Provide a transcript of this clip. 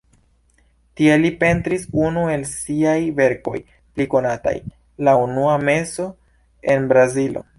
Tie li pentris unu el siaj verkoj pli konataj: "La unua meso en Brazilo".